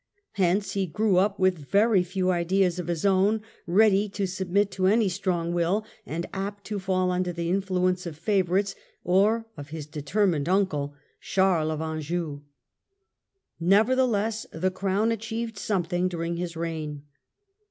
Hence he grew up with very few ideas of his own, ready to submit to any strong will, and apt to fall under the influence of favourites, or of his determined uncle, Charles of Anjou. Nevertheless the Crown achieved something during his reign.